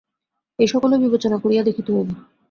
এ-সকলও বিবেচনা করিয়া দেখিতে হইবে।